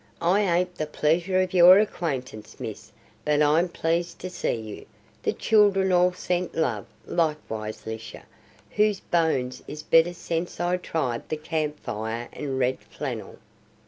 I ain't the pleasure of your acquaintance, Miss, but I'm pleased to see you. The children all sent love, likewise Lisha, whose bones is better sense I tried the camfire and red flannel."